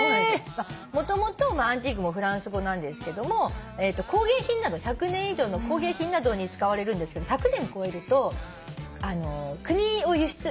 もともとアンティークもフランス語なんですけども１００年以上の工芸品などに使われるんですけど１００年超えると国を輸出。